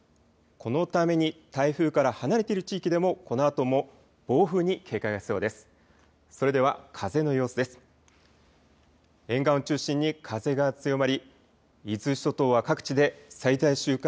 このために台風から離れている地域でも、このあとも暴風に警戒が必要です。